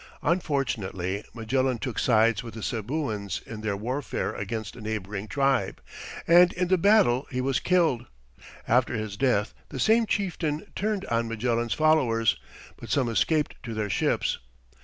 Unfortunately, Magellan took sides with the Cebuans in their warfare against a neighbouring tribe, and in the battle he was killed. After his death, the same chieftain turned on Magellan's followers, but some escaped to their ships.